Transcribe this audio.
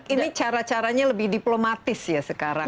ini cara caranya lebih diplomatis ya sekarang